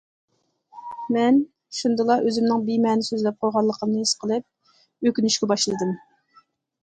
مەن شۇندىلا ئۆزۈمنىڭ بىمەنە سۆزلەپ قويغانلىقىمنى ھېس قىلىپ ئۆكۈنۈشكە باشلىدىم.